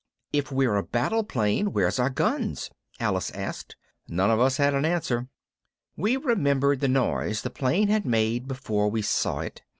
"If we're a battle plane, where's our guns?" Alice asked. None of us had an answer. We remembered the noise the plane had made before we saw it.